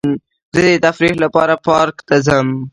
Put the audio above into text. زه د تفریح لپاره پارک ته ځم.